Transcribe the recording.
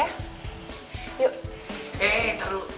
eh ntar lu